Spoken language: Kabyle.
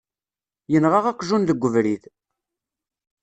Yenɣa aqjun deg ubrid.